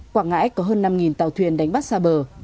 quảng ngãi có hơn năm tàu thuyền đánh bắt xa bờ